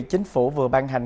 chính phủ vừa ban hành